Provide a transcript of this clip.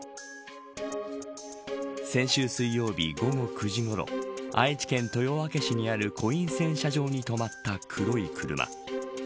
先週水曜日、午後９時ごろ愛知県豊明市にあるコイン洗車場に止まった黒い車。